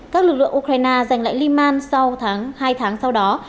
các lực lượng ukraine giành lại liman sau tháng hai tháng sau đó